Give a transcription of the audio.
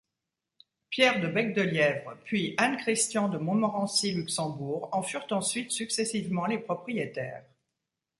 Pierre de Becdelièvre puis Anne-Christian de Montmorency-Luxembourg en furent ensuite successivement les propriétaires.